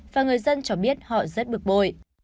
và người dân cho biết họ rất bực bội